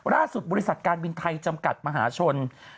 บริษัทการบินไทยจำกัดมหาชน